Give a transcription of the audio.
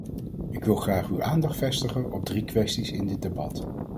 Ik wil graag uw aandacht vestigen op drie kwesties in dit debat.